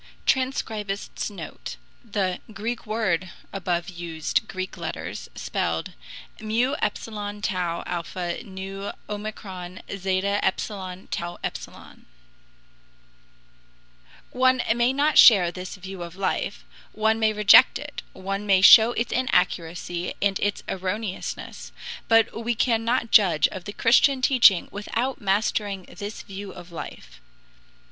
[TRANSCRIBIST'S NOTE: The GREEK WORD above used Greek letters, spelled: mu epsilon tau alpha nu omicron zeta epsilon tau epsilon] One may not share this view of life, one may reject it, one may show its inaccuracy and its erroneousness, but we cannot judge of the Christian teaching without mastering this view of life.